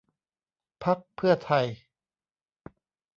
พรรคเพื่อไทย